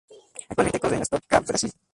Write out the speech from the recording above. Actualmente corre en la Stock Car Brasil.